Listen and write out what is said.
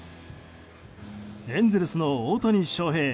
エンゼルスの大谷翔平。